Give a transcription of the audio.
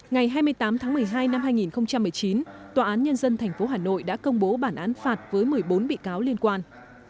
ngày hai mươi tám tháng một mươi hai năm hai nghìn một mươi chín tòa án nhân dân tp hà nội đã công bố bản án phạt với một mươi bốn bị cáo liên quan